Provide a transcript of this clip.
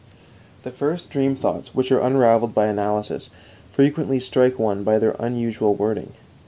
The first dream thoughts which are unravelled by analysis frequently strike one by their unusual wording.